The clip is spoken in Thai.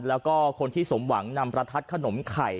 แล้วก็คนที่สมหวังนำประทัดขนมไข่